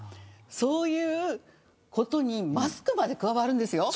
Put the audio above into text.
そういうことにマスクまで加わるんです。